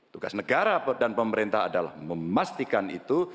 tugas negara dan pemerintah adalah memastikan itu